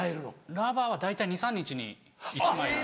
ラバーは大体２３日に１枚なんで。